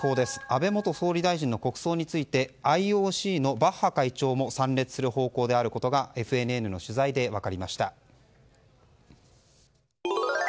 安倍元総理大臣の国葬についてＩＯＣのバッハ会長も参列する方向であることがＦＮＮの取材で分かりました。